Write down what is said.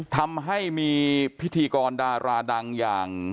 ทำให้มีพิธีกรดาราดังอย่าง